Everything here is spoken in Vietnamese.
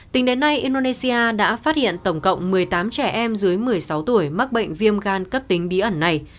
tính đến nay indonesia đã phát hiện tổng cộng một mươi tám trẻ em dưới một mươi sáu tuổi mắc bệnh viêm gan cấp tính bí ẩn này